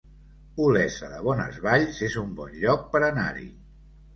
Olesa de Bonesvalls es un bon lloc per anar-hi